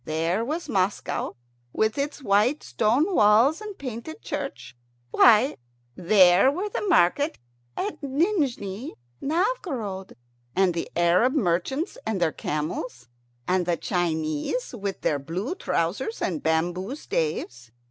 There was Moscow with its white stone walls and painted churches. Why, there were the market at Nijni Novgorod, and the Arab merchants with their camels, and the Chinese with their blue trousers and bamboo staves.